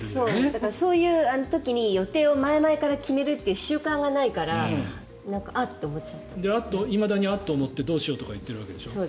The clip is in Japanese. だからそういう予定を前々から決めるという習慣がないからいまだにあっ！と思ってどうしようってなってるんでしょ。